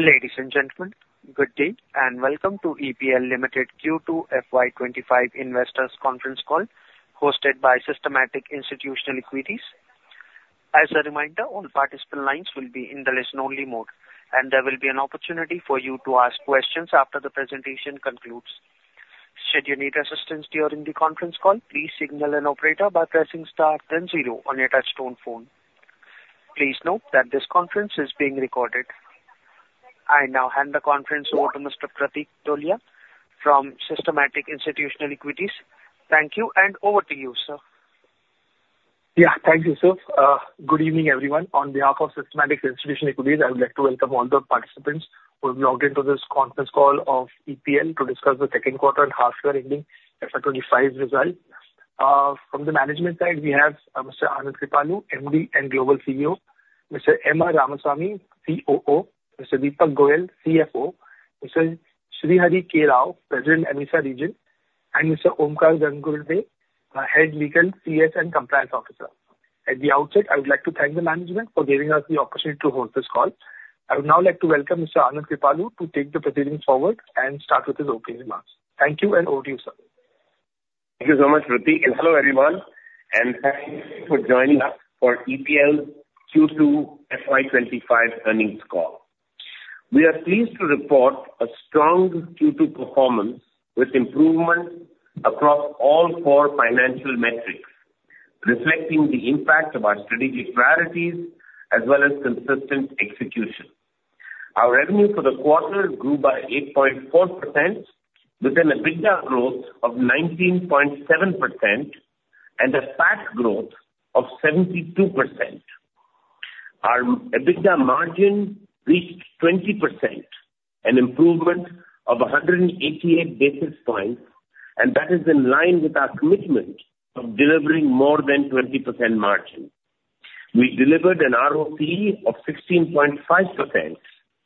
Ladies and gentlemen, good day and welcome to EPL Limited Q2 FY 2025 Investors' Conference Call hosted by Systematix Institutional Equities. As a reminder, all participant lines will be in the listen-only mode, and there will be an opportunity for you to ask questions after the presentation concludes. Should you need assistance during the conference call, please signal an operator by pressing star then zero on your touch-tone phone. Please note that this conference is being recorded. I now hand the conference over to Mr. Pratik Tholiya from Systematix Institutional Equities. Thank you, and over to you, sir. Yeah, thank you, sir. Good evening, everyone. On behalf of Systematix Institutional Equities, I would like to welcome all the participants who have logged into this conference call of EPL to discuss the second quarter and half-year ending FY 2025 results. From the management side, we have Mr. Anand Kripalu, MD and Global CEO; Mr. M. R. Ramasamy, COO; Mr. Deepak Goyal, CFO; Mr. Srihari Karnam, President, AMESA Region; and Mr. Omkar Gane, Head Legal, CS and Compliance Officer. At the outset, I would like to thank the management for giving us the opportunity to host this call. I would now like to welcome Mr. Anand Kripalu to take the proceedings forward and start with his opening remarks. Thank you, and over to you, sir. Thank you so much, Pratik, and hello, everyone. And thanks for joining us for EPL Q2 FY 2025 earnings call. We are pleased to report a strong Q2 performance with improvements across all four financial metrics, reflecting the impact of our strategic priorities as well as consistent execution. Our revenue for the quarter grew by 8.4%, with an EBITDA growth of 19.7% and a PAT growth of 72%. Our EBITDA margin reached 20%, an improvement of 188 basis points, and that is in line with our commitment of delivering more than 20% margin. We delivered a ROCE of 16.5%,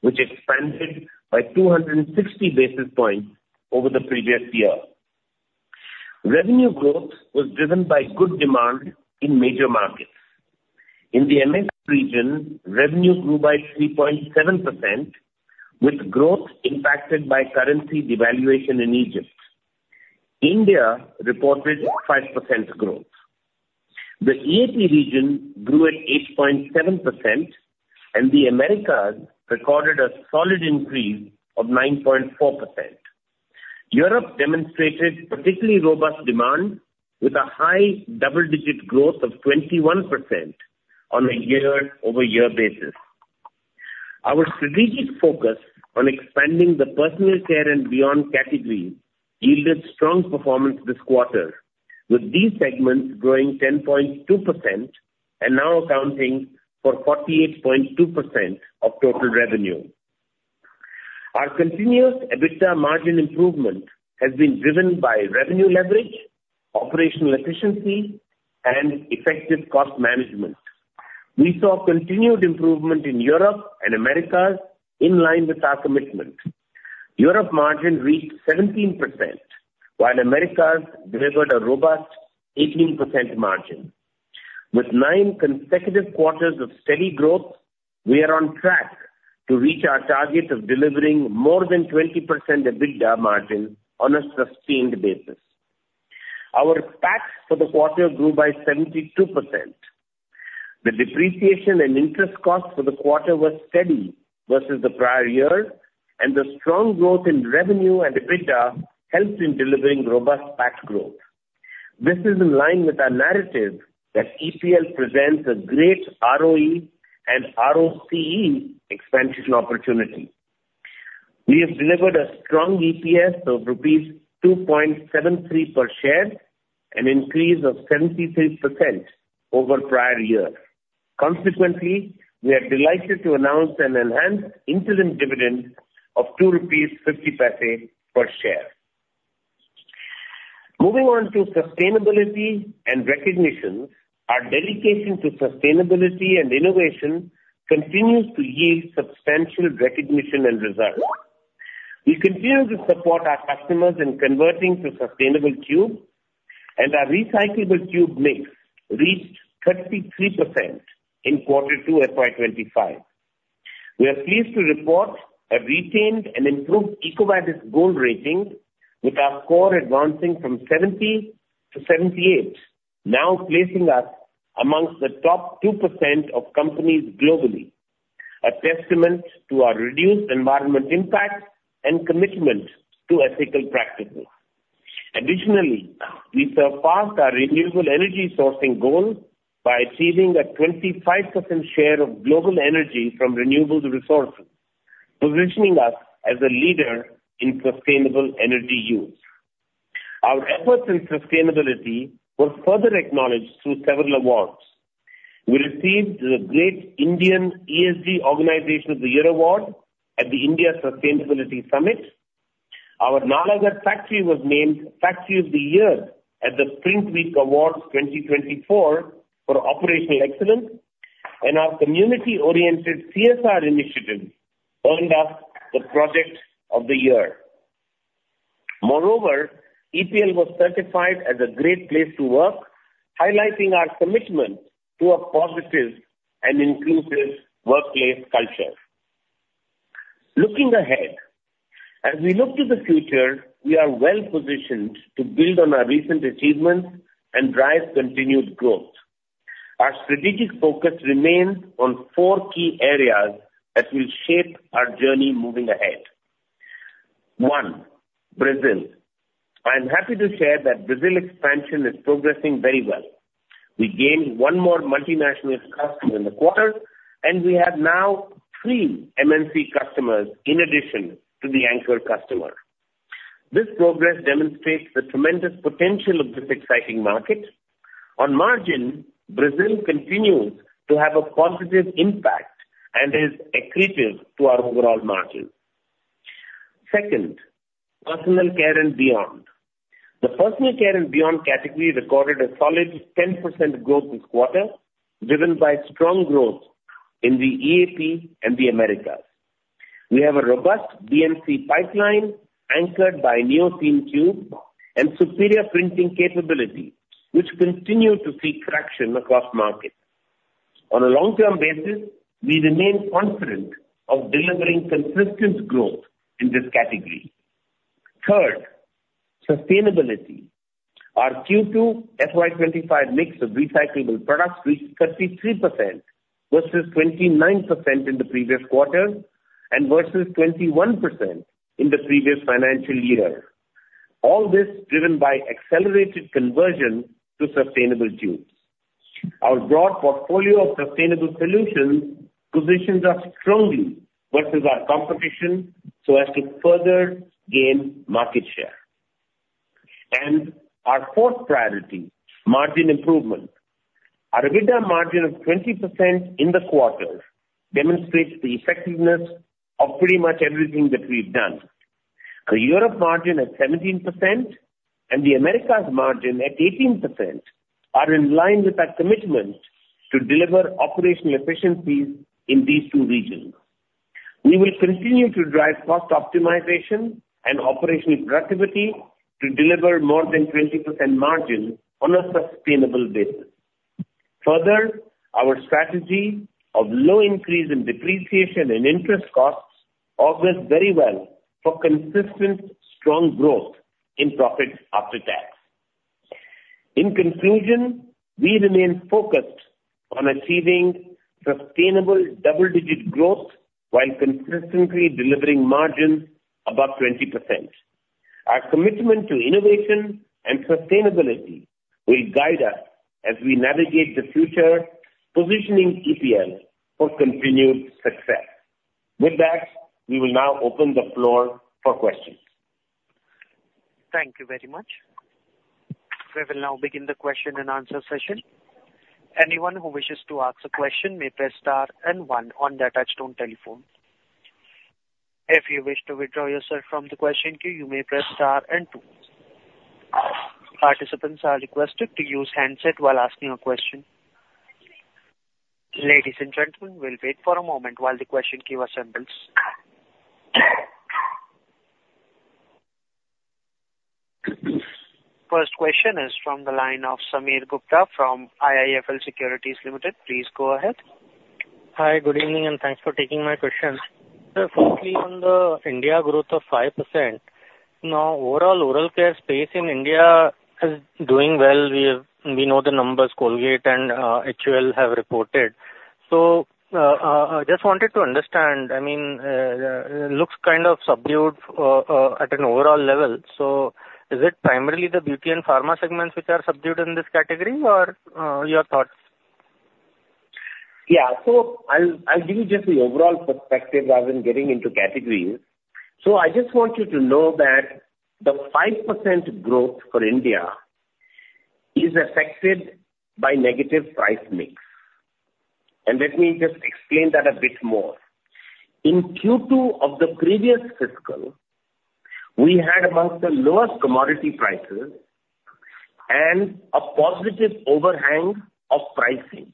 which expanded by 260 basis points over the previous year. Revenue growth was driven by good demand in major markets. In the AMESA region, revenue grew by 3.7%, with growth impacted by currency devaluation in Egypt. India reported 5% growth. The EAP region grew at 8.7%, and the Americas recorded a solid increase of 9.4%. Europe demonstrated particularly robust demand, with a high double-digit growth of 21% on a year-over-year basis. Our strategic focus on expanding the Personal Care & Beyond category yielded strong performance this quarter, with these segments growing 10.2% and now accounting for 48.2% of total revenue. Our continuous EBITDA margin improvement has been driven by revenue leverage, operational efficiency, and effective cost management. We saw continued improvement in Europe and Americas in line with our commitment. Europe margin reached 17%, while Americas delivered a robust 18% margin. With nine consecutive quarters of steady growth, we are on track to reach our target of delivering more than 20% EBITDA margin on a sustained basis. Our PAT for the quarter grew by 72%. The depreciation and interest costs for the quarter were steady versus the prior year, and the strong growth in revenue and EBITDA helped in delivering robust PAT growth. This is in line with our narrative that EPL presents a great ROE and ROCE expansion opportunity. We have delivered a strong EPS of 2.73 per share, an increase of 73% over prior years. Consequently, we are delighted to announce an enhanced interim dividend of 2.50 rupees per share. Moving on to sustainability and recognition, our dedication to sustainability and innovation continues to yield substantial recognition and results. We continue to support our customers in converting to sustainable tubes, and our recyclable tube mix reached 33% in quarter two FY 2025. We are pleased to report a retained and improved EcoVadis Gold rating, with our score advancing from 70 to 78, now placing us among the top 2% of companies globally, a testament to our reduced environmental impact and commitment to ethical practices. Additionally, we surpassed our renewable energy sourcing goal by achieving a 25% share of global energy from renewable resources, positioning us as a leader in sustainable energy use. Our efforts in sustainability were further acknowledged through several awards. We received the Great Indian ESG Organization of the Year Award at the India Sustainability Summit. Our Nalagarh factory was named Factory of the Year at the PrintWeek Awards 2024 for operational excellence, and our community-oriented CSR initiative earned us the Project of the Year. Moreover, EPL was certified as a Great Place to Work, highlighting our commitment to a positive and inclusive workplace culture. Looking ahead, as we look to the future, we are well positioned to build on our recent achievements and drive continued growth. Our strategic focus remains on four key areas that will shape our journey moving ahead. One, Brazil. I'm happy to share that Brazil expansion is progressing very well. We gained one more multinational customer in the quarter, and we have now three MNC customers in addition to the Anchor Customer. This progress demonstrates the tremendous potential of this exciting market. On margin, Brazil continues to have a positive impact and is accretive to our overall margin. Second, Personal Care & Beyond. The Personal Care & Beyond category recorded a solid 10% growth this quarter, driven by strong growth in the EAP and the Americas. We have a robust B&C pipeline anchored by NEOSeam tube and superior printing capability, which continue to see traction across markets. On a long-term basis, we remain confident of delivering consistent growth in this category. Third, sustainability. Our Q2 FY 2025 mix of recyclable products reached 33% versus 29% in the previous quarter and versus 21% in the previous financial year. All this driven by accelerated conversion to sustainable tubes. Our broad portfolio of sustainable solutions positions us strongly versus our competition so as to further gain market share. And our fourth priority, margin improvement. Our EBITDA margin of 20% in the quarter demonstrates the effectiveness of pretty much everything that we've done. The Europe margin at 17% and the Americas margin at 18% are in line with our commitment to deliver operational efficiencies in these two regions. We will continue to drive cost optimization and operational productivity to deliver more than 20% margin on a sustainable basis. Further, our strategy of low increase in depreciation and interest costs augments very well for consistent strong growth in profits after tax. In conclusion, we remain focused on achieving sustainable double-digit growth while consistently delivering margins above 20%. Our commitment to innovation and sustainability will guide us as we navigate the future, positioning EPL for continued success. With that, we will now open the floor for questions. Thank you very much. We will now begin the question and answer session. Anyone who wishes to ask a question may press star and one on their touch-tone telephone. If you wish to withdraw yourself from the question queue, you may press star and two. Participants are requested to use handset while asking a question. Ladies and gentlemen, we'll wait for a moment while the question queue assembles. First question is from the line of Sameer Gupta from IIFL Securities Limited. Please go ahead. Hi, good evening, and thanks for taking my question. Sir, firstly, on the India growth of 5%, now overall oral care space in India is doing well. We know the numbers Colgate and HUL have reported. So I just wanted to understand, I mean, it looks kind of subdued at an overall level. So is it primarily the beauty and pharma segments which are subdued in this category, or your thoughts? Yeah, so I'll give you just the overall perspective rather than getting into categories. So I just want you to know that the 5% growth for India is affected by negative price mix. And let me just explain that a bit more. In Q2 of the previous fiscal, we had amongst the lowest commodity prices and a positive overhang of pricing.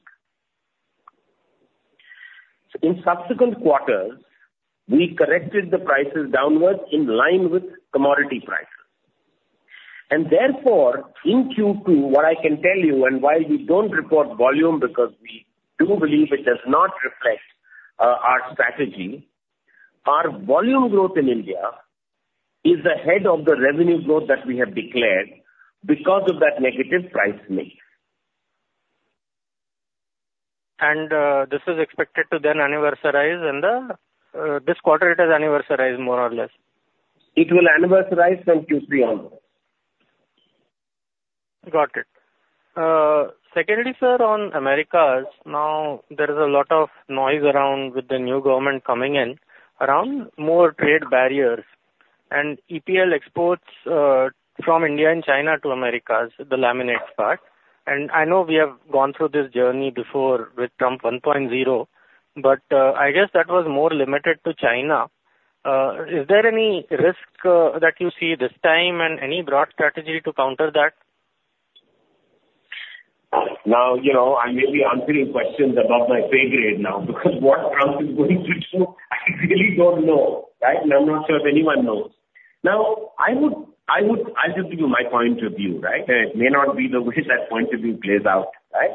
In subsequent quarters, we corrected the prices downwards in line with commodity prices. And therefore, in Q2, what I can tell you, and why we don't report volume because we do believe it does not reflect our strategy, our volume growth in India is ahead of the revenue growth that we have declared because of that negative price mix. This is expected to then anniversarize, and this quarter it has anniversarized more or less? It will annualize from Q3 onwards. Got it. Secondly, sir, on Americas, now there is a lot of noise around with the new government coming in, around more trade barriers. And EPL exports from India and China to Americas, the laminate part. And I know we have gone through this journey before with Trump 1.0, but I guess that was more limited to China. Is there any risk that you see this time and any broad strategy to counter that? Now, you know, I may be answering questions above my pay grade now because what Trump is going to do, I really don't know, right? And I'm not sure if anyone knows. Now, I would, I'll just give you my point of view, right? And it may not be the way that point of view plays out, right?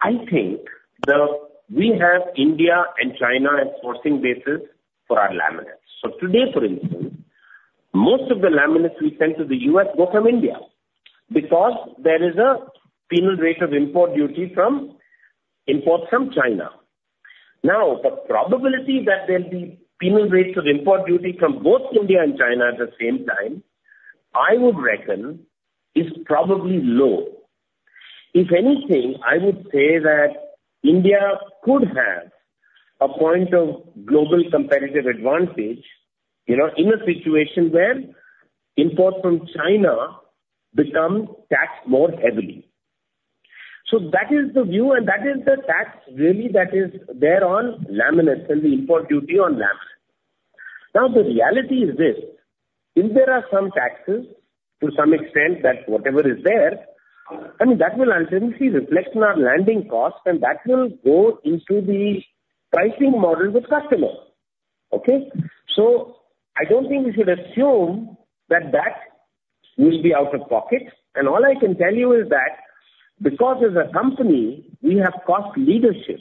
I think that we have India and China sourcing basis for our laminates. So today, for instance, most of the laminates we sent to the U.S. go from India because there is a penal rate of import duty from imports from China. Now, the probability that there'll be penal rates of import duty from both India and China at the same time, I would reckon, is probably low. If anything, I would say that India could have a point of global competitive advantage, you know, in a situation where imports from China become taxed more heavily. So that is the view, and that is the tax really that is there on laminates and the import duty on laminates. Now, the reality is this. If there are some taxes to some extent that whatever is there, I mean, that will ultimately reflect in our landing costs, and that will go into the pricing model with customers. Okay? So I don't think we should assume that that will be out of pocket. And all I can tell you is that because as a company, we have cost leadership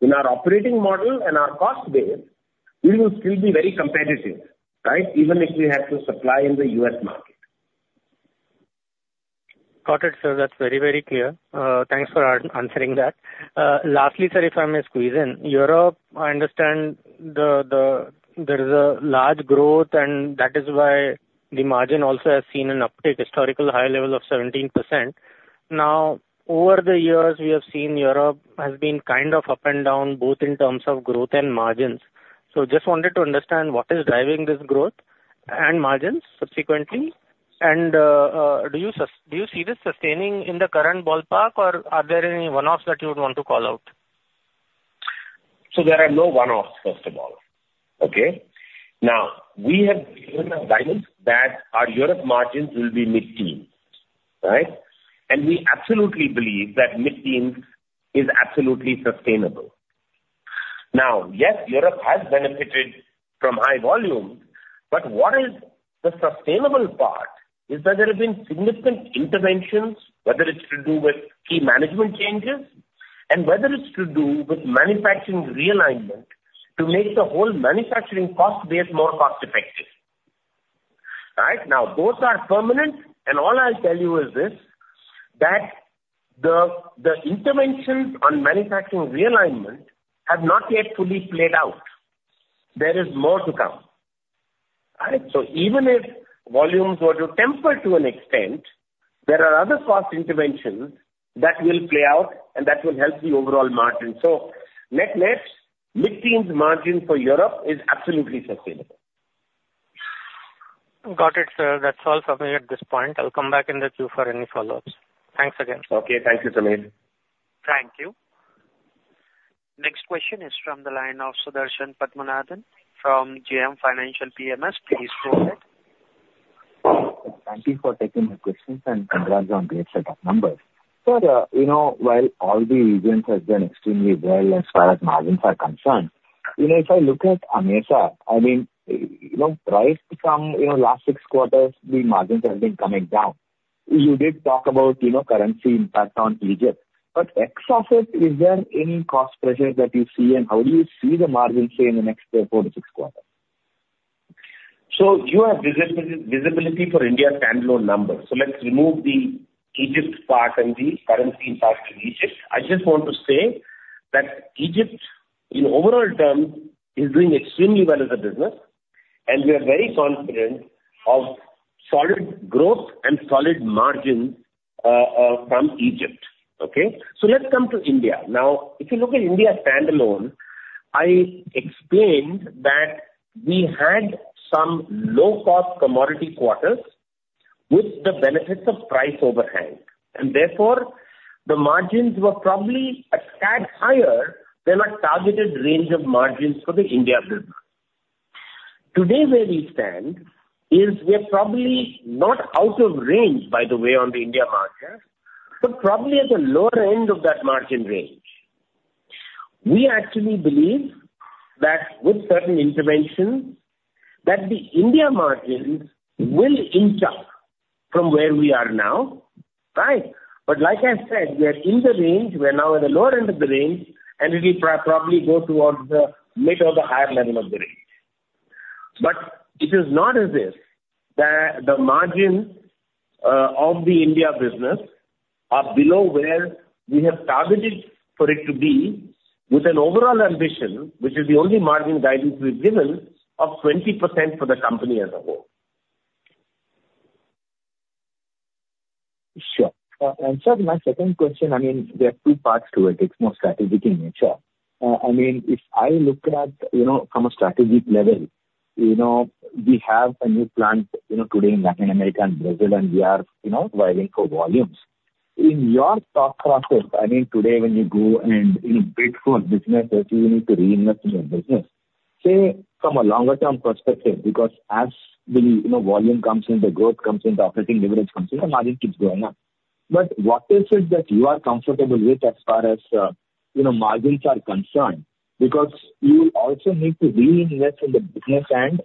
in our operating model and our cost base, we will still be very competitive, right? Even if we have to supply in the U.S. market. Got it, sir. That's very, very clear. Thanks for answering that. Lastly, sir, if I may squeeze in, Europe, I understand there is a large growth, and that is why the margin also has seen an uptick, historical high level of 17%. Now, over the years, we have seen Europe has been kind of up and down both in terms of growth and margins. So just wanted to understand what is driving this growth and margins subsequently, and do you see this sustaining in the current ballpark, or are there any one-offs that you would want to call out? So there are no one-offs, first of all. Okay? Now, we have given a guidance that our Europe margins will be mid-teens, right? And we absolutely believe that mid-teens is absolutely sustainable. Now, yes, Europe has benefited from high volume, but what is the sustainable part is that there have been significant interventions, whether it's to do with key management changes and whether it's to do with manufacturing realignment to make the whole manufacturing cost base more cost-effective. Right? Now, both are permanent, and all I'll tell you is this, that the interventions on manufacturing realignment have not yet fully played out. There is more to come. Right? So even if volumes were to temper to an extent, there are other cost interventions that will play out and that will help the overall margin. So net-net mid-teens margin for Europe is absolutely sustainable. Got it, sir. That's all from me at this point. I'll come back in the queue for any follow-ups. Thanks again. Okay. Thank you, Sameer. Thank you. Next question is from the line of Sudarshan Padmanabhan from JM Financial PMS. Please go ahead. Thank you for taking my questions and congrats on the excellent numbers. Sir, you know, while all the regions have done extremely well as far as margins are concerned, you know, if I look at AMESA, I mean, you know, right from last six quarters, the margins have been coming down. You did talk about, you know, currency impact on Egypt. But ex FX, is there any cost pressure that you see, and how do you see the margins, say, in the next four to six quarters? So you have visibility for India standalone numbers. So let's remove the Egypt part and the currency impact in Egypt. I just want to say that Egypt, in overall terms, is doing extremely well as a business, and we are very confident of solid growth and solid margins from Egypt. Okay? So let's come to India. Now, if you look at India standalone, I explained that we had some low-cost commodity quarters with the benefits of price overhang. And therefore, the margins were probably a tad higher than our targeted range of margins for the India business. Today, where we stand is we are probably not out of range, by the way, on the India margins, but probably at the lower end of that margin range. We actually believe that with certain interventions, that the India margins will inch up from where we are now, right? But like I said, we are in the range. We are now at the lower end of the range, and it will probably go towards the mid or the higher level of the range. But it is not as if the margins of the India business are below where we have targeted for it to be with an overall ambition, which is the only margin guidance we've given of 20% for the company as a whole. Sure. And sir, my second question, I mean, there are two parts to it. It's more strategic in nature. I mean, if I look at, you know, from a strategic level, you know, we have a new plant today in Latin America and Brazil, and we are, you know, driving for volumes. In your thought process, I mean, today when you go and, you know, bid for business that you need to reinvest in your business, say, from a longer-term perspective, because as the, you know, volume comes in, the growth comes in, the operating leverage comes in, the margin keeps going up. But what is it that you are comfortable with as far as, you know, margins are concerned? Because you also need to reinvest in the business and,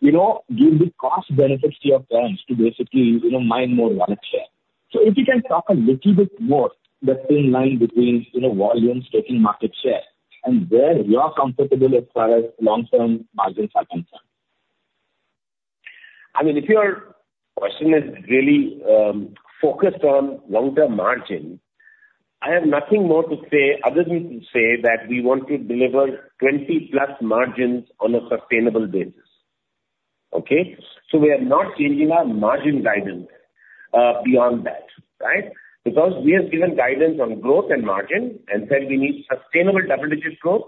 you know, give the cost benefits to your clients to basically, you know, gain more market share. So if you can talk a little bit more, the thin line between, you know, volumes taking market share and where you are comfortable as far as long-term margins are concerned. I mean, if your question is really focused on long-term margins, I have nothing more to say other than to say that we want to deliver 20+ margins on a sustainable basis. Okay? So we are not changing our margin guidance beyond that, right? Because we have given guidance on growth and margin and said we need sustainable double-digit growth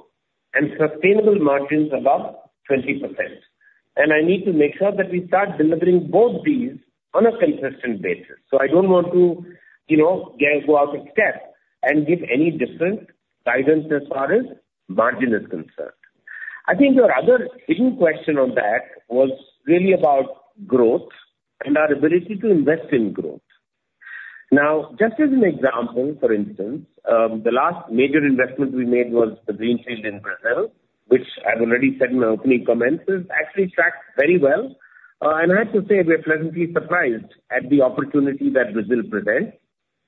and sustainable margins above 20%. And I need to make sure that we start delivering both these on a consistent basis. So I don't want to, you know, go out of step and give any different guidance as far as margin is concerned. I think your other hidden question on that was really about growth and our ability to invest in growth. Now, just as an example, for instance, the last major investment we made was the greenfield in Brazil, which I've already said in my opening comments has actually tracked very well, and I have to say we are pleasantly surprised at the opportunity that Brazil presents,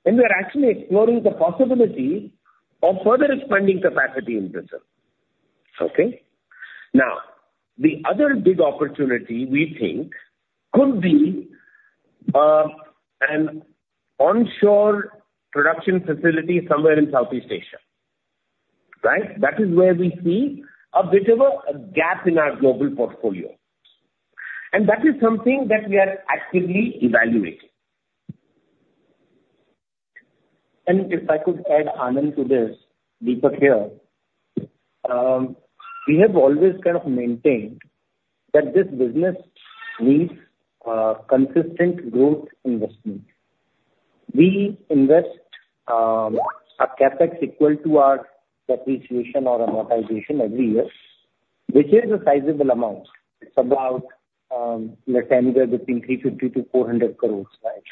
and we are actually exploring the possibility of further expanding capacity in Brazil. Okay? Now, the other big opportunity we think could be an onshore production facility somewhere in Southeast Asia, right? That is where we see a bit of a gap in our global portfolio, and that is something that we are actively evaluating, and if I could add, Anand, to this, Deepak here, we have always kind of maintained that this business needs consistent growth investment. We invest a CapEx equal to our depreciation or amortization every year, which is a sizable amount. It's about, let's say, anywhere between 350 crores-400 crores, right?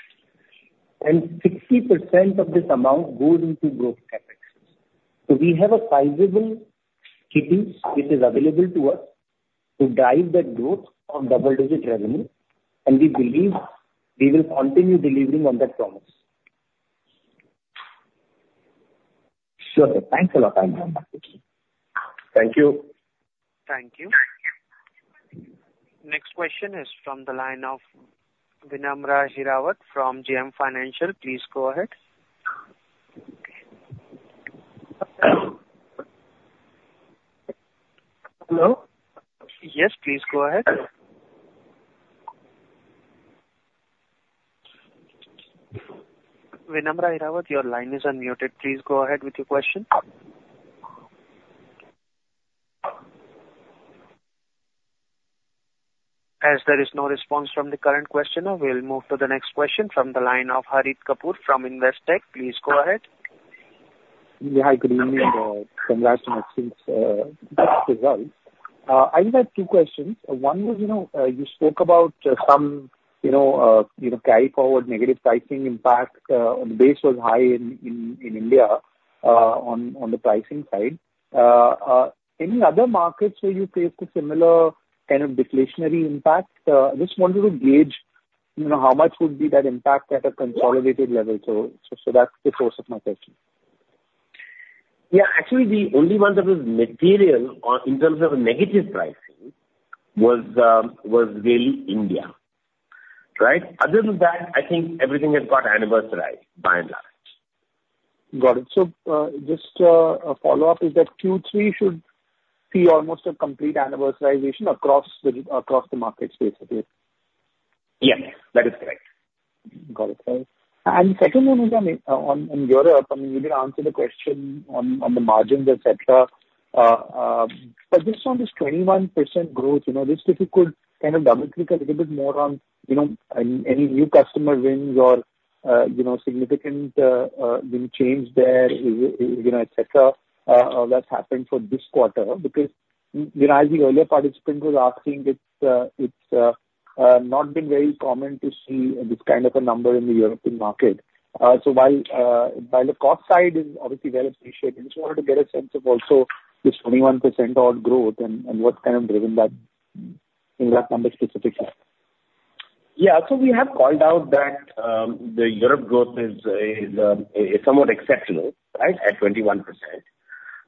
And 60% of this amount goes into growth CapEx. So we have a sizable capability which is available to us to drive that growth on double-digit revenue, and we believe we will continue delivering on that promise. Sure. Thanks a lot, Anand. Thank you. Thank you. Next question is from the line of Vinamra Hirawat from JM Financial. Please go ahead. Hello? Yes, please go ahead. Vinamra Hirawat, your line is unmuted. Please go ahead with your question. As there is no response from the current questioner, we'll move to the next question from the line of Harit Kapoor from Investec. Please go ahead. Yeah, hi. Good evening. Congrats on excellent results. I just had two questions. One was, you know, you spoke about some, you know, carry forward negative pricing impact. The base was high in India on the pricing side. Any other markets where you faced a similar kind of deflationary impact? I just wanted to gauge, you know, how much would be that impact at a consolidated level? So that's the source of my question. Yeah. Actually, the only one that was material in terms of negative pricing was really India, right? Other than that, I think everything has got anniversaried by and large. Got it. So just a follow-up, is that Q3 should see almost a complete anniversarization across the market space, okay? Yes, that is correct. Got it. And the second one is on Europe. I mean, you did answer the question on the margins, etc. But just on this 21% growth, you know, just if you could kind of double-click a little bit more on, you know, any new customer wins or, you know, significant change there, you know, etc., that's happened for this quarter? Because, you know, as the earlier participant was asking, it's not been very common to see this kind of a number in the European market. So while the cost side is obviously well appreciated, I just wanted to get a sense of also this 21% odd growth and what's kind of driven that number specifically. Yeah. So we have called out that the Europe growth is somewhat exceptional, right, at 21%.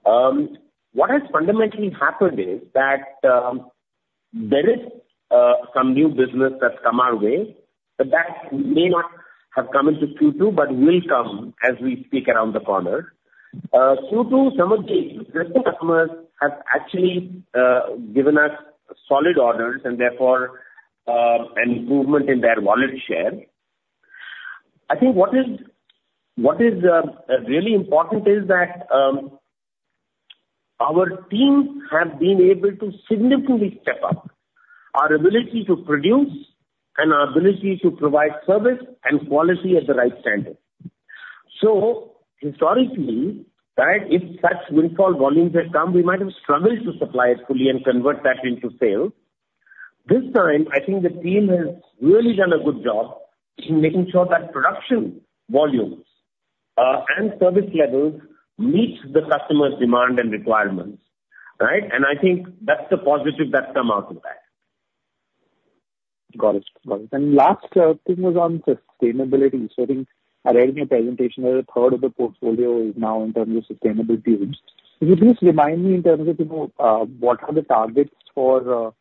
What has fundamentally happened is that there is some new business that's come our way that may not have come into Q2 but will come as we speak around the corner. Q2, some of the existing customers have actually given us solid orders and therefore an improvement in their wallet share. I think what is really important is that our teams have been able to significantly step up our ability to produce and our ability to provide service and quality at the right standard. So historically, right, if such windfall volumes had come, we might have struggled to supply it fully and convert that into sales. This time, I think the team has really done a good job in making sure that production volumes and service levels meet the customer's demand and requirements, right? I think that's the positive that's come out of that. Got it. The last thing was on sustainability. So I think I read in your presentation that a third of the portfolio is now in terms of sustainable tubes. Would you just remind me in terms of, you know, what are the targets for,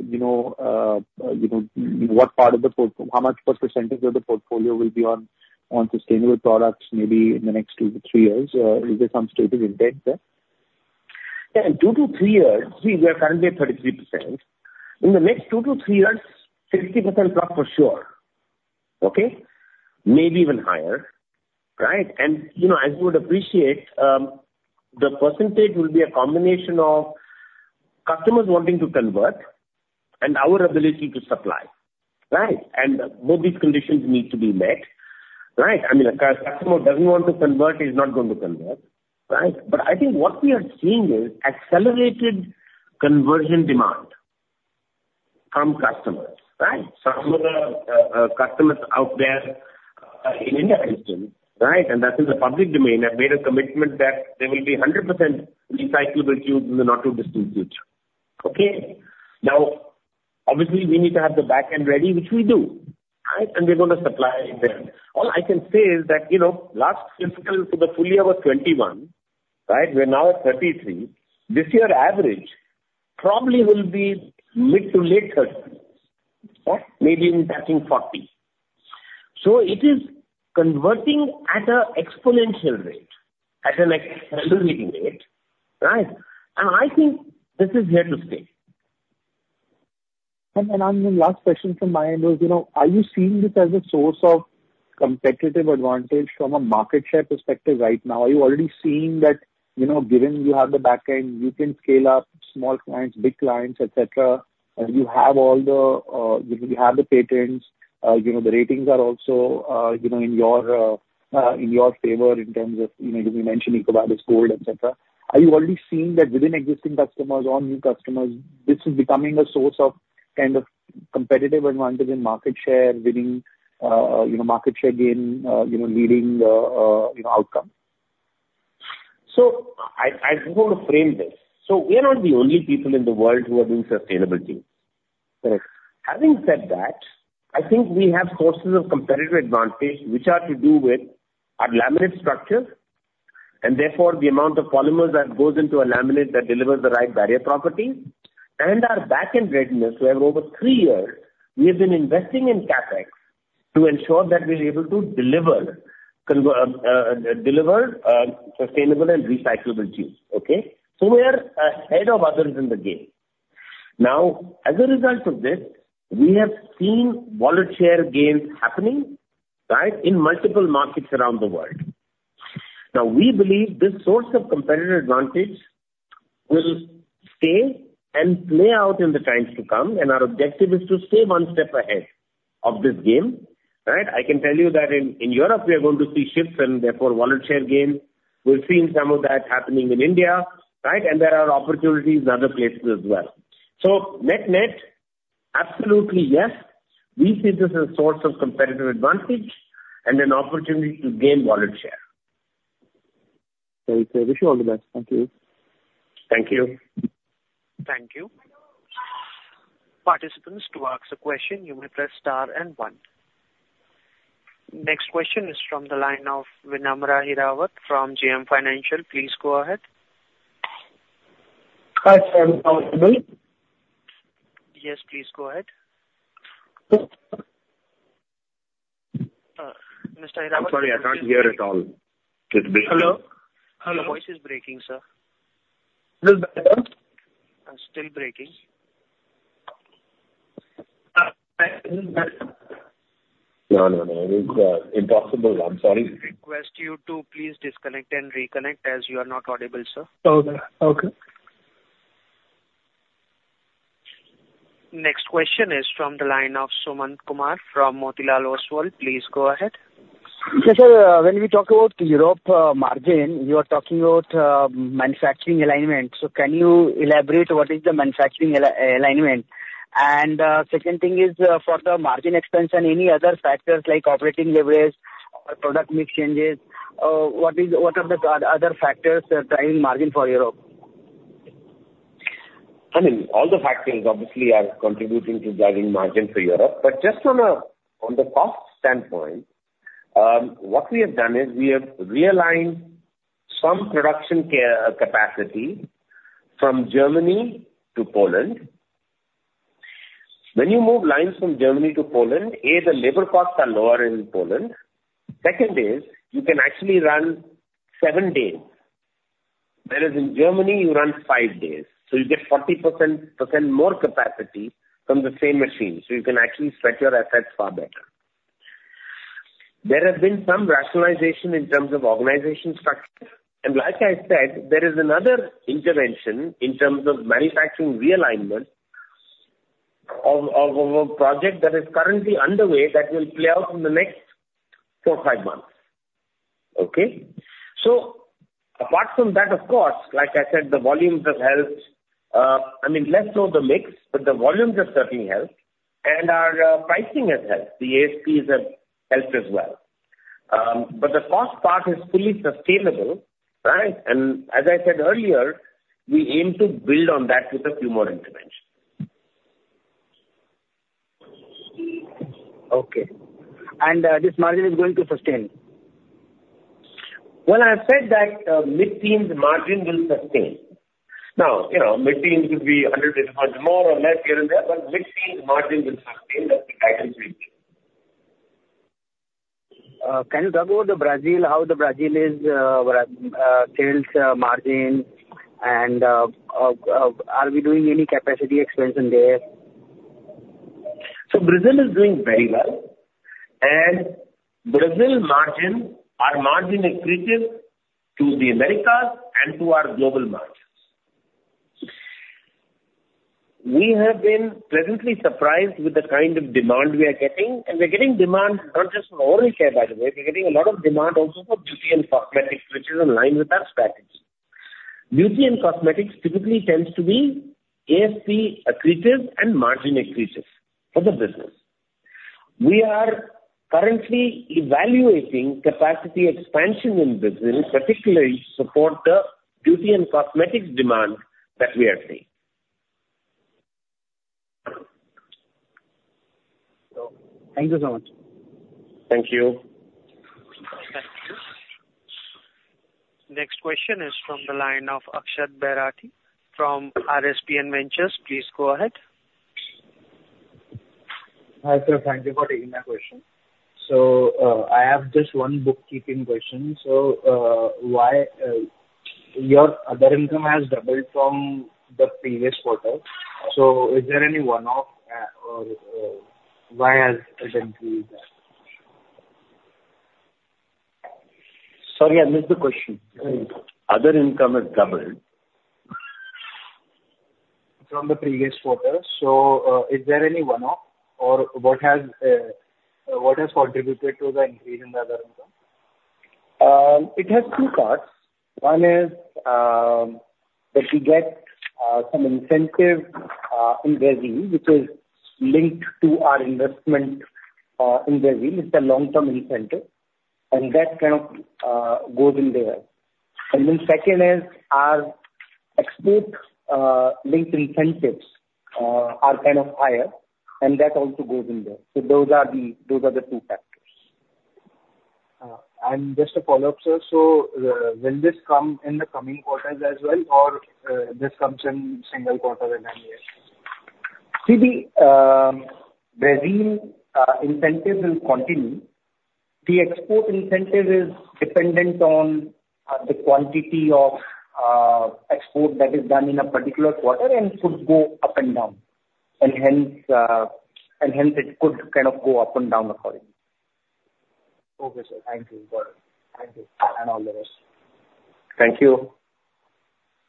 you know, what part of the portfolio, how much percentage of the portfolio will be on sustainable products maybe in the next two to three years? Is there some stated intent there? Yeah. In two to three years, see, we are currently at 33%. In the next two to three years, 60%+ for sure. Okay? Maybe even higher, right? And, you know, as you would appreciate, the percentage will be a combination of customers wanting to convert and our ability to supply, right? And both these conditions need to be met, right? I mean, a customer who doesn't want to convert is not going to convert, right? But I think what we are seeing is accelerated conversion demand from customers, right? Some of the customers out there in India, for instance, right, and that's in the public domain, have made a commitment that there will be 100% recyclable fuel in the not-too-distant future. Okay? Now, obviously, we need to have the backend ready, which we do, right? And we're going to supply there. All I can say is that, you know, last fiscal for the full year was 21, right? We're now at 33. This year's average probably will be mid to late 30s, maybe even touching 40. So it is converting at an exponential rate, at an accelerating rate, right? And I think this is here to stay. Anand, last question from my end was, you know, are you seeing this as a source of competitive advantage from a market share perspective right now? Are you already seeing that, you know, given you have the backend, you can scale up small clients, big clients, etc., and you have all the, you know, you have the patents, you know, the ratings are also, you know, in your favor in terms of, you know, you mentioned EcoVadis Gold, etc. Are you already seeing that within existing customers or new customers, this is becoming a source of kind of competitive advantage in market share, winning, you know, market share gain, you know, leading, you know, outcome? So I just want to frame this. So we are not the only people in the world who are doing sustainability. Correct. Having said that, I think we have sources of competitive advantage which are to do with our laminate structure and therefore the amount of polymers that goes into a laminate that delivers the right barrier properties. And our backend readiness, where over three years we have been investing in CapEx to ensure that we're able to deliver sustainable and recyclable tubes. Okay? So we are ahead of others in the game. Now, as a result of this, we have seen wallet share gains happening, right, in multiple markets around the world. Now, we believe this source of competitive advantage will stay and play out in the times to come. And our objective is to stay one step ahead of this game, right? I can tell you that in Europe, we are going to see shifts and therefore wallet share gains. We're seeing some of that happening in India, right? There are opportunities in other places as well. Net-net, absolutely yes, we see this as a source of competitive advantage and an opportunity to gain wallet share. Very clear. Wish you all the best. Thank you. Thank you. Thank you. Participants, to ask a question, you may press star and one. Next question is from the line of Vinamra Hirawat from JM Financial. Please go ahead. Hi, sir. Can I speak? Yes, please go ahead. Mr. Hirawat I'm sorry, I can't hear at all. Hello? Hello. Voice is breaking, sir. Is it better? Still breaking. No, no, no. It is impossible. I'm sorry. Request you to please disconnect and reconnect as you are not audible, sir. Okay. Okay. Next question is from the line of Sumant Kumar from Motilal Oswal. Please go ahead. Yes, sir. When we talk about the Europe margin, you are talking about manufacturing alignment. So can you elaborate what is the manufacturing alignment? And second thing is for the margin expense, any other factors like operating leverage or product mix changes? What are the other factors driving margin for Europe? I mean, all the factors obviously are contributing to driving margin for Europe, but just on the cost standpoint, what we have done is we have realigned some production capacity from Germany to Poland. When you move lines from Germany to Poland, A, the labor costs are lower in Poland. Second is, you can actually run seven days, whereas in Germany you run five days, so you get 40% more capacity from the same machine, so you can actually spread your efforts far better. There has been some rationalization in terms of organization structure, and like I said, there is another intervention in terms of manufacturing realignment of a project that is currently underway that will play out in the next four or five months. Okay, so apart from that, of course, like I said, the volumes have helped. I mean, less so the mix, but the volumes have certainly helped, and our pricing has helped. The ASPs have helped as well, but the cost part is fully sustainable, right, and as I said earlier, we aim to build on that with a few more interventions. Okay, and this margin is going to sustain? I have said that mid-teens margin will sustain. Now, you know, mid-teens could be 100% or more or less here and there, but mid-teens margin will sustain. That's the guidance we've given. Can you talk about Brazil, how Brazil's sales margin? And are we doing any CapEx in there? Brazil is doing very well. Brazil margin, our margin is superior to the Americas and to our global margins. We have been pleasantly surprised with the kind of demand we are getting. We're getting demand not just from oral care, by the way. We're getting a lot of demand also for Beauty & Cosmetics, which is in line with our strategy. Beauty and cosmetics typically tends to be ASP accretives and margin accretives for the business. We are currently evaluating capacity expansion in Brazil, particularly to support the Beauty & Cosmetics demand that we are seeing. Thank you so much. Thank you. Thank you. Next question is from the line of Akshat Bairathi from RSPN Ventures. Please go ahead. Hi, sir. Thank you for taking my question. So I have just one bookkeeping question. So your other income has doubled from the previous quarter. So is there any one-off, or why has it increased? Sorry, I missed the question. Other income has doubled. From the previous quarter. So is there any one-off, or what has contributed to the increase in the other income? It has two parts. One is that we get some incentive in Brazil, which is linked to our investment in Brazil. It's a long-term incentive. And that kind of goes in there. And then second is our export-linked incentives are kind of higher, and that also goes in there. So those are the two factors. Just a follow-up, sir. Will this come in the coming quarters as well, or this comes in single quarters in any year? See, the Brazil incentive will continue. The export incentive is dependent on the quantity of export that is done in a particular quarter and could go up and down, and hence, it could kind of go up and down accordingly. Okay, sir. Thank you. Thank you. And all the rest. Thank you.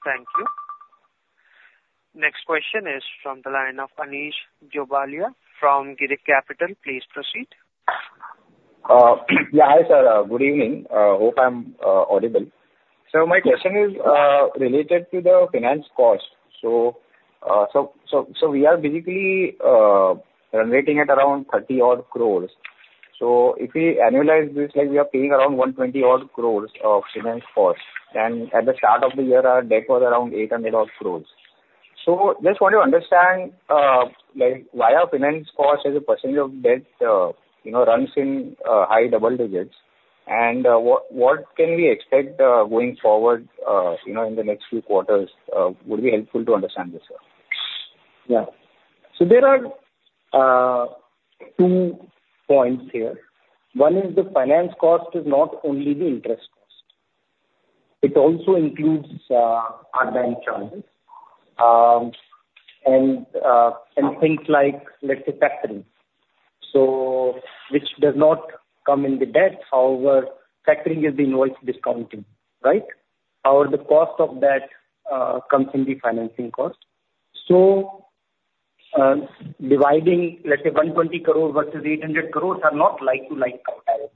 Thank you. Next question is from the line of Anish Jobalia from Girik Capital. Please proceed. Yeah. Hi, sir. Good evening. Hope I'm audible. So my question is related to the finance cost. So we are basically run rating at around 30-odd crores. So if we annualize this, we are paying around 120-odd crores of finance cost. And at the start of the year, our debt was around 800-odd crores. So just want to understand why our finance cost as a percentage of debt runs in high double digits. And what can we expect going forward in the next few quarters? It would be helpful to understand this, sir. Yeah. So there are two points here. One is the finance cost is not only the interest cost. It also includes our bank charges and things like, let's say, factoring, which does not come in the debt. However, factoring is the invoice discounting, right? However, the cost of that comes in the financing cost. So dividing, let's say, 120 crores versus 800 crores are not like-to-like comparables.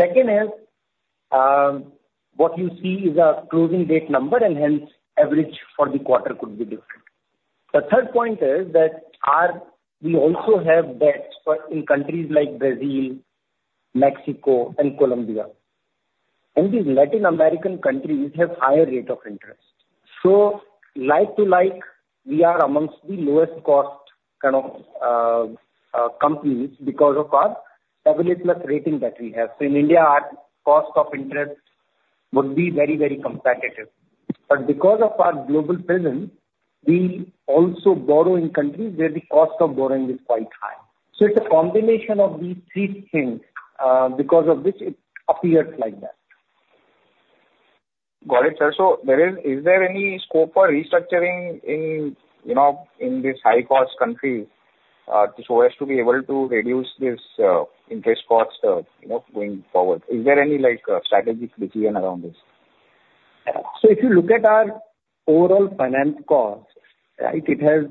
Second is what you see is a closing date number, and hence, average for the quarter could be different. The third point is that we also have debts in countries like Brazil, Mexico, and Colombia. And these Latin American countries have higher rates of interest. So like-to-like, we are amongst the lowest-cost kind of companies because of our AA+ rating that we have. So in India, our cost of interest would be very, very competitive. But because of our global presence, we also borrow in countries where the cost of borrowing is quite high. So it's a combination of these three things because of which it appears like that. Got it, sir. So is there any scope for restructuring in this high-cost country to show us to be able to reduce this interest cost going forward? Is there any strategic decision around this? So if you look at our overall finance cost, it has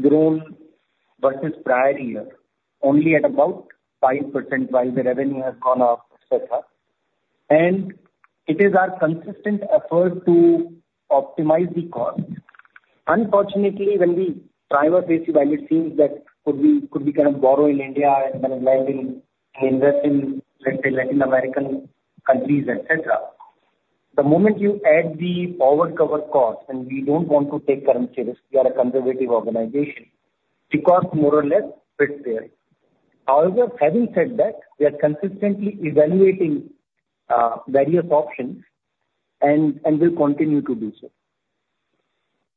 grown versus prior year only at about 5% while the revenue has gone up, etc. And it is our consistent effort to optimize the cost. Unfortunately, when we try our basic values, it seems that could we kind of borrow in India and then invest in, let's say, Latin American countries, etc. The moment you add the forward cover cost, and we don't want to take currency risk. We are a conservative organization. The cost more or less fits there. However, having said that, we are consistently evaluating various options and will continue to do so.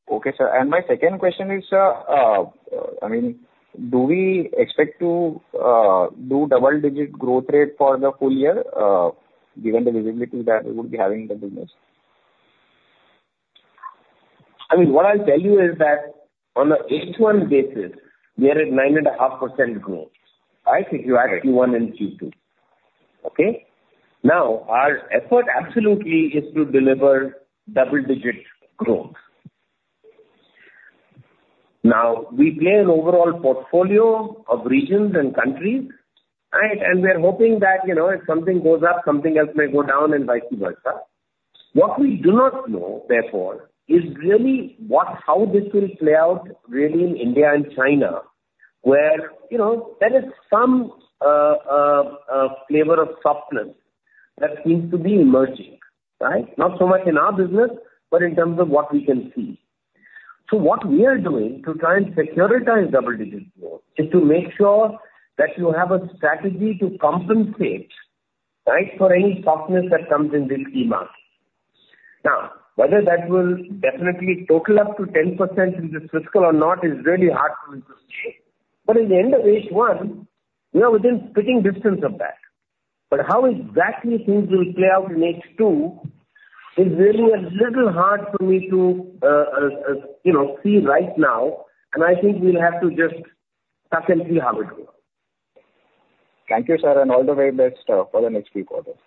Okay, sir. And my second question is, I mean, do we expect to do double-digit growth rate for the full year given the visibility that we would be having in the business? I mean, what I'll tell you is that on an eight-month basis, we are at 9.5% growth. Right? If you add Q1 and Q2. Okay? Now, our effort absolutely is to deliver double-digit growth. Now, we play an overall portfolio of regions and countries. Right? And we are hoping that if something goes up, something else may go down and vice versa. What we do not know, therefore, is really how this will play out really in India and China, where there is some flavor of softness that seems to be emerging, right? Not so much in our business, but in terms of what we can see. So what we are doing to try and securitize double-digit growth is to make sure that you have a strategy to compensate, right, for any softness that comes in this E-market. Now, whether that will definitely total up to 10% in this fiscal or not is really hard for me to say, but at the end of H1, we are within spitting distance of that, but how exactly things will play out in H2 is really a little hard for me to see right now, and I think we'll have to just wait and see how it goes. Thank you, sir, and all the very best for the next few quarters.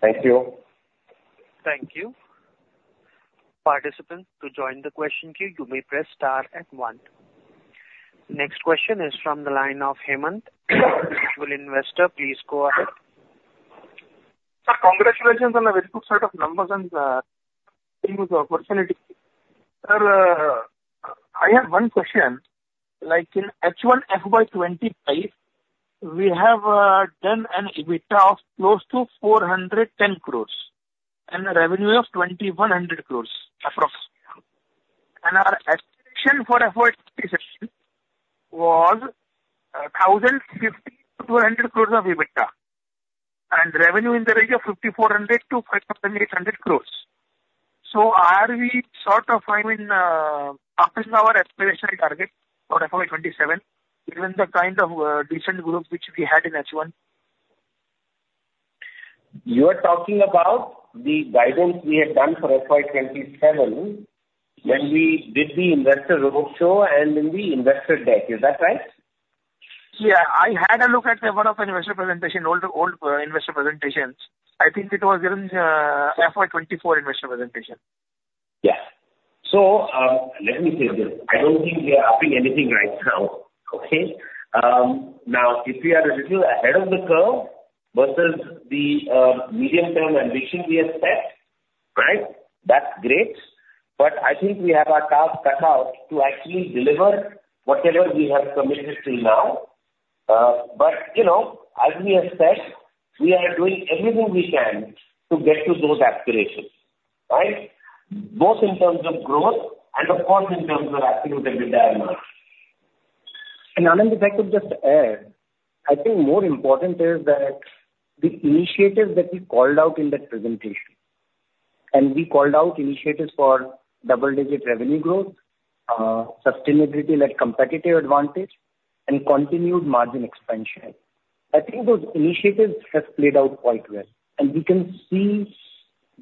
Thank you. Thank you. Participants, to join the question queue, you may press star and one. Next question is from the line of Hemant, Individual Investor, please go ahead. Sir, congratulations on a very good set of numbers and seeing the opportunity. Sir, I have one question. In H1 FY 2025, we have done an EBITDA of close to 410 crores and a revenue of 2,100 crores across. And our expectation for FY 2026 was 1,050 crores to 200 crores of EBITDA and revenue in the range of 5,400 to 5,800 crores. So are we sort of upping our aspirational target for FY 2027 given the kind of decent growth which we had in H1? You are talking about the guidance we had done for FY 2027 when we did the investor roadshow and in the investor deck. Is that right? Yeah. I had a look at a lot of investor presentations, old investor presentations. I think it was given FY 2024 investor presentation. Yeah. So let me say this. I don't think we are upping anything right now. Okay? Now, if we are a little ahead of the curve versus the medium-term ambition we have set, right, that's great. But I think we have our work cut out to actually deliver whatever we have committed to now. But as we have said, we are doing everything we can to get to those aspirations, right, both in terms of growth and, of course, in terms of absolute EBITDA and margin. Anand, if I could just add, I think more important is that the initiatives that we called out in that presentation. We called out initiatives for double-digit revenue growth, sustainability-led competitive advantage, and continued margin expansion. I think those initiatives have played out quite well. We can see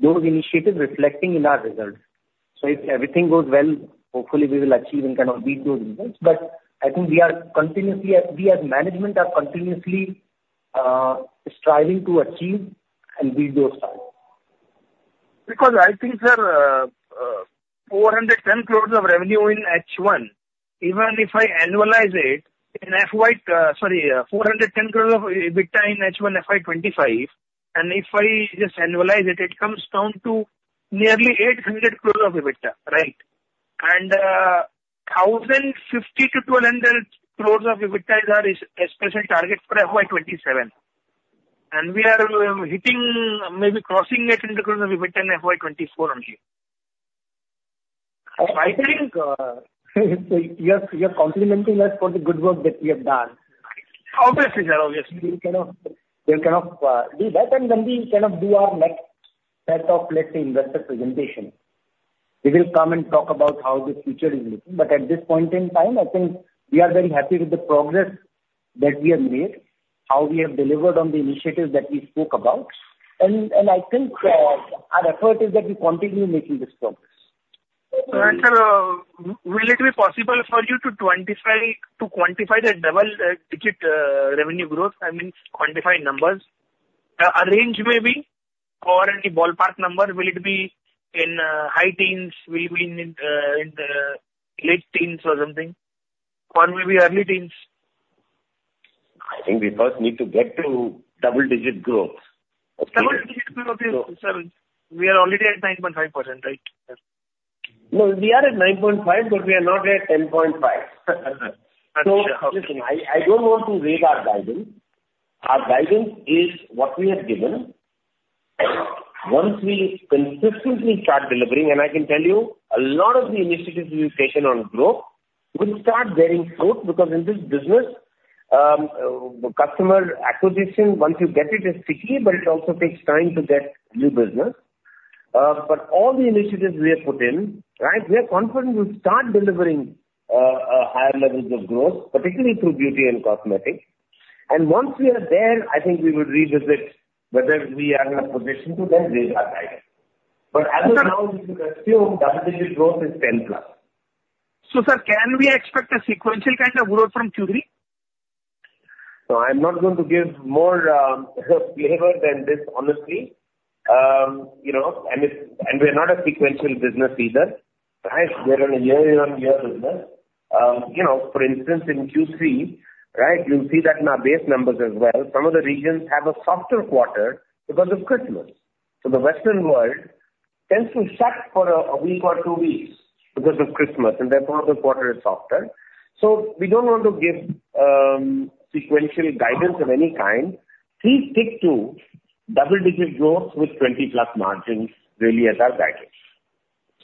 those initiatives reflecting in our results. So if everything goes well, hopefully, we will achieve and kind of beat those results. But I think we as management are continuously striving to achieve and beat those targets. Because I think, sir, 410 crores of revenue in H1, even if I annualize it in FY sorry, 410 crores of EBITDA in H1 FY 2025. And if I just annualize it, it comes down to nearly 800 crores of EBITDA, right? And 1,050-1,200 crores of EBITDA is our special target for FY 2027. And we are hitting, maybe crossing 800 crores of EBITDA in FY 2024 only. I think you're complimenting us for the good work that we have done. Obviously, sir. Obviously. We'll kind of do that. And then we kind of do our next set of, let's say, investor presentation. We will come and talk about how the future is looking. But at this point in time, I think we are very happy with the progress that we have made, how we have delivered on the initiatives that we spoke about. And I think our effort is that we continue making this progress. So, Anand, will it be possible for you to quantify the double-digit revenue growth? I mean, quantify numbers. A range maybe, or any ballpark number? Will it be in high teens? Will it be in the late teens or something? Or maybe early teens? I think we first need to get to double-digit growth. Double-digit growth is, we are already at 9.5%, right? No, we are at 9.5, but we are not at 10.5. So listen, I don't want to raise our guidance. Our guidance is what we have given. Once we consistently start delivering, and I can tell you, a lot of the initiatives we've taken on growth will start bearing fruit because in this business, customer acquisition, once you get it, is tricky, but it also takes time to get new business. But all the initiatives we have put in, right, we are confident we'll start delivering higher levels of growth, particularly through beauty and cosmetics. Once we are there, I think we would revisit whether we are in a position to then raise our guidance. As of now, we can assume double-digit growth is 10+. So, sir, can we expect a sequential kind of growth from Q3? So I'm not going to give more flavor than this, honestly. And we are not a sequential business either. Right? We are a year-on-year business. For instance, in Q3, right, you'll see that in our base numbers as well. Some of the regions have a softer quarter because of Christmas. So the Western world tends to shut for a week or two weeks because of Christmas. And therefore, the quarter is softer. So we don't want to give sequential guidance of any kind. Please stick to double-digit growth with 20+ margins really as our guidance.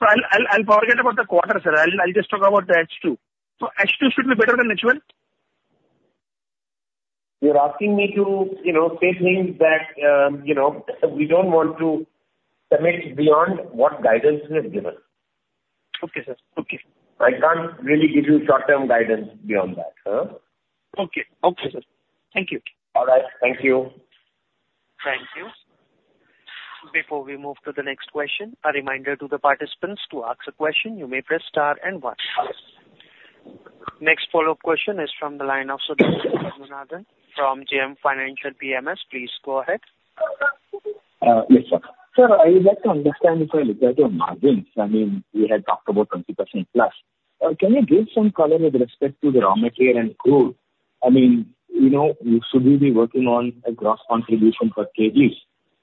So I'll forget about the quarter, sir. I'll just talk about the H2. So H2 should be better than H1? You're asking me to say things that we don't want to speculate beyond what guidance we have given. Okay, sir. Okay. I can't really give you short-term guidance beyond that. Okay. Okay, sir. Thank you. All right. Thank you. Thank you. Before we move to the next question, a reminder to the participants to ask a question. You may press star and one. Next follow-up question is from the line of Sudarshan Padmanabhan from JM Financial PMS. Please go ahead. Yes, sir. Sir, I would like to understand if there are exaggerated margins. I mean, we had talked about 20%+. Can you give some color with respect to the raw material and crude? I mean, we should be working on a gross contribution per kg,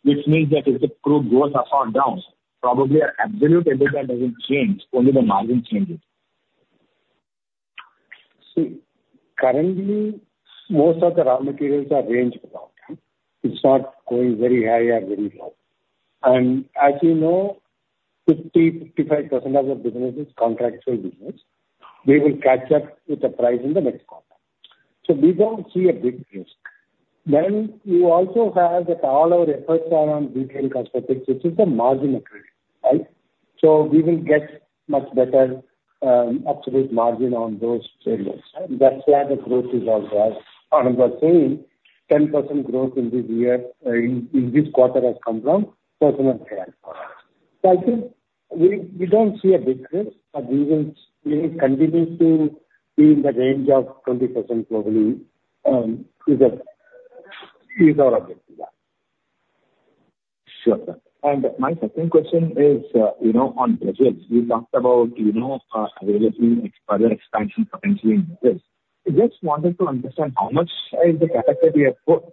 which means that if the crude goes up or down, probably our absolute EBITDA doesn't change. Only the margin changes. See, currently, most of the raw materials are range-bound. It's not going very high or very low. And as you know, 50%-55% of the business is contractual business. They will catch up with the price in the next quarter. So we don't see a big risk. Then you also have that all our efforts are on beauty and cosmetics, which is the margin-accretive, right? So we will get much better absolute margin on those areas. That's where the growth is also at. And I'm just saying 10% growth in this year in this quarter has come from personal care and products. So I think we don't see a big risk, but we will continue to be in the range of 20% globally, is our objective. Sure. And my second question is on budgets. We talked about availability and further expansion potentially in business. I just wanted to understand how much is the capital we have put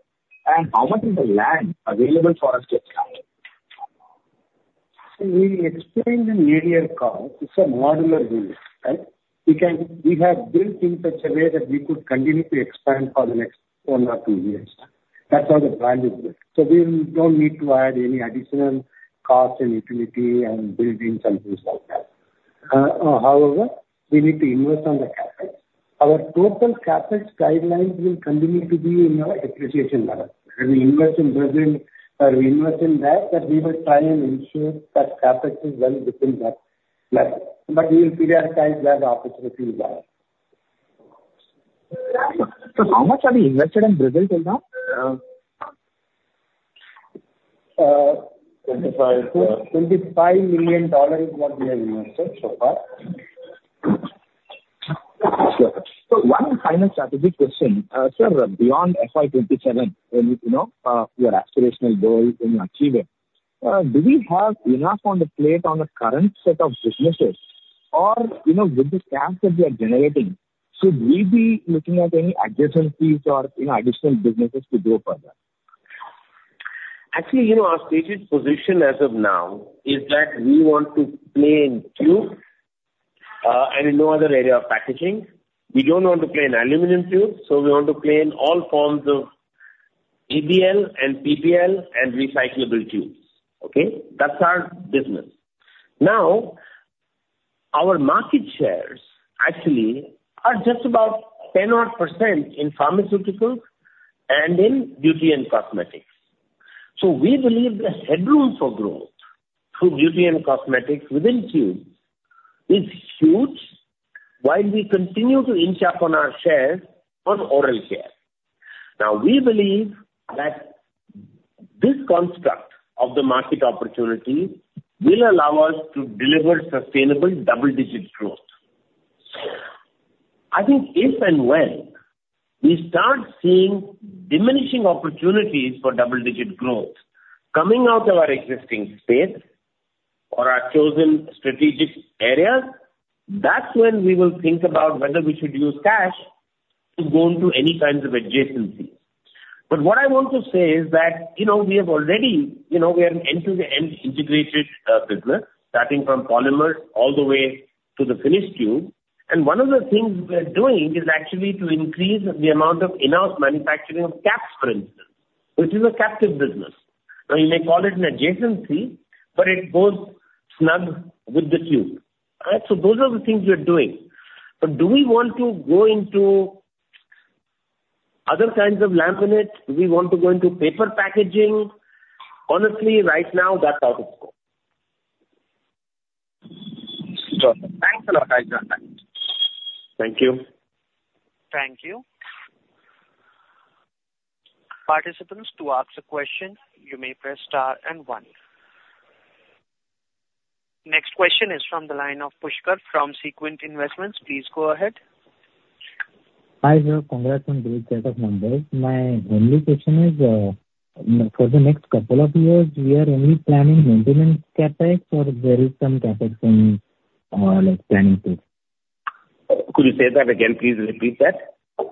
and how much is the land available for us to expand? We explained in earlier calls it's a modular building, right? We have built things in such a way that we could continue to expand for the next one or two years. That's how the plan is built. So we don't need to add any additional cost and utility and buildings and things like that. However, we need to invest in the capital. Our total capital guidelines will continue to be in our appropriate level. We invest in budget or we invest in that, but we will try and ensure that capital is well within that level. But we will prioritize where the opportunities are. How much have you invested in Brazil till now? 25. $25 million is what we have invested so far. Sure. So one final strategic question, sir, beyond FY 2027, your aspirational goal and your achievement, do we have enough on the plate on the current set of businesses? Or with the cash that we are generating, should we be looking at any adjacencies or additional businesses to grow further? Actually, our stated position as of now is that we want to play in tubes and in no other area of packaging. We don't want to play in aluminum tubes. So we want to play in all forms of ABL and PBL and recyclable tubes. Okay? That's our business. Now, our market shares actually are just about 10-odd% in pharmaceuticals and in beauty and cosmetics. So we believe the headroom for growth through beauty and cosmetics within tubes is huge, while we continue to inch up on our shares on oral care. Now, we believe that this construct of the market opportunity will allow us to deliver sustainable double-digit growth. I think if and when we start seeing diminishing opportunities for double-digit growth coming out of our existing space or our chosen strategic areas, that's when we will think about whether we should use cash to go into any kinds of adjacencies. But what I want to say is that we have already, we are an end-to-end integrated business, starting from polymers all the way to the finished tube. And one of the things we're doing is actually to increase the amount of in-house manufacturing of caps, for instance, which is a captive business. Now, you may call it an adjacency, but it goes snug with the tube. All right? So those are the things we're doing. But do we want to go into other kinds of laminate? Do we want to go into paper packaging? Honestly, right now, that's out of scope. Sure. Thanks a lot, Deepak. Thank you. Thank you. Participants, to ask a question, you may press star and one. Next question is from the line of Pushkar from Sequent Investments. Please go ahead. Hi, sir, congrats on doing set of numbers. My only question is, for the next couple of years, we are only planning maintenance CapEx or there is some CapEx in planning too? Could you say that again? Please repeat that.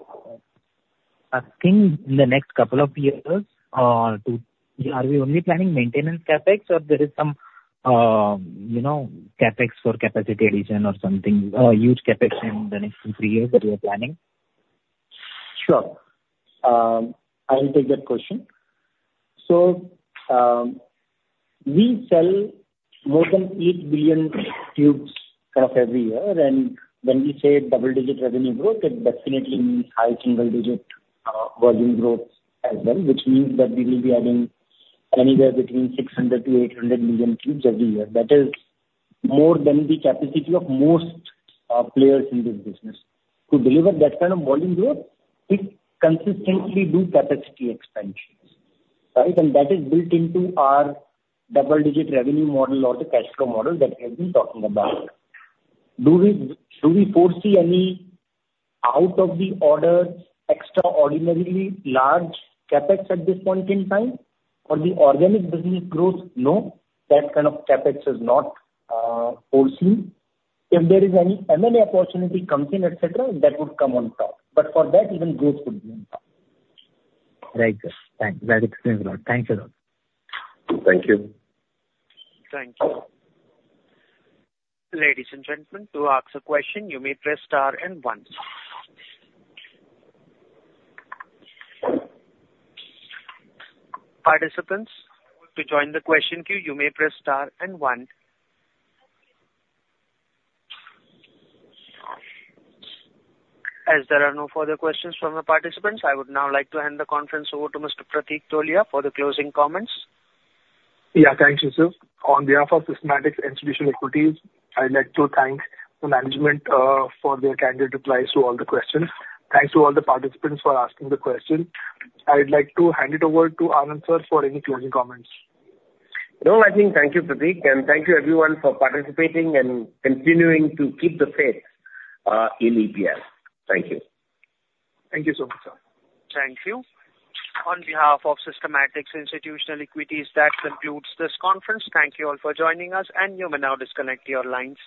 I think in the next couple of years, are we only planning maintenance CapEx or there is some CapEx for capacity addition or something, a huge CapEx in the next three years that we are planning? Sure. I'll take that question, so we sell more than eight billion tubes kind of every year, and when we say double-digit revenue growth, it definitely means high single-digit volume growth as well, which means that we will be adding anywhere between 600-800 million tubes every year. That is more than the capacity of most players in this business. To deliver that kind of volume growth, we consistently do capacity expansions, right, and that is built into our double-digit revenue model or the cash flow model that we have been talking about. Do we foresee any out-of-the-ordinary, extraordinarily large CapEx at this point in time? For the organic business growth, no. That kind of CapEx is not foreseen. If there is any M&A opportunity comes in, etc., that would come on top, but for that, even growth would be on top. Right, sir. Thanks. That explains a lot. Thank you a lot. Thank you. Thank you. Ladies and gentlemen, to ask a question, you may press star and one. Participants, to join the question queue, you may press star and one. As there are no further questions from the participants, I would now like to hand the conference over to Mr. Pratik Tholiya for the closing comments. Yeah, thank you, sir. On behalf of Systematix Institutional Equities, I'd like to thank the management for their candid replies to all the questions. Thanks to all the participants for asking the question. I'd like to hand it over to Anand, sir, for any closing comments. No, I think, thank you, Pratik. And thank you, everyone, for participating and continuing to keep the faith in EPL. Thank you. Thank you so much, sir. Thank you. On behalf of Systematix Institutional Equities, that concludes this conference. Thank you all for joining us, and you may now disconnect your lines.